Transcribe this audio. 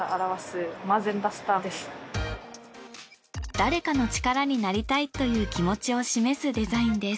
誰かの力になりたいという気持ちを示すデザインです。